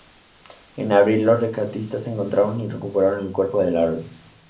En abril los rescatistas encontraron y recuperaron el cuerpo de Larry.